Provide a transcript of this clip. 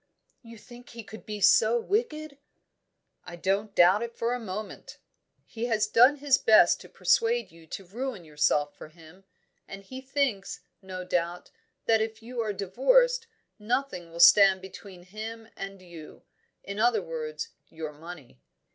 "You think he could be so wicked?" "I don't doubt it for a moment. He has done his best to persuade you to ruin yourself for him, and he thinks, no doubt, that if you are divorced, nothing will stand between him and you in other words, your money."